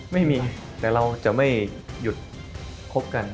ไม่มีแต่เราจะไม่หยุดคบกัน